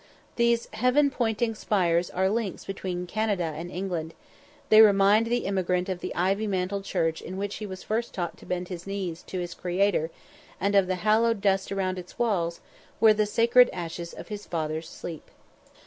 These heaven pointing spires are links between Canada and England; they remind the emigrant of the ivy mantled church in which he was first taught to bend his knees to his Creator, and of the hallowed dust around its walls, where the sacred ashes of his fathers sleep.